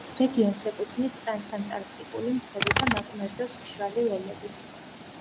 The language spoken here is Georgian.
რეგიონს ეკუთვნის ტრანსანტარქტიკული მთები და მაკ-მერდოს მშრალი ველები.